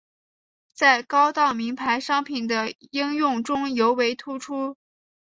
在高档名牌商品的应用中尤为突出。